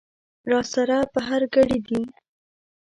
را سره په هر ګړي دي